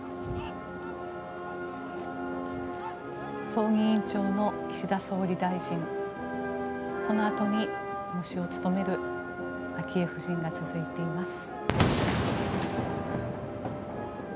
葬儀委員長の岸田総理大臣そのあとに、喪主を務める昭恵夫人が続いています。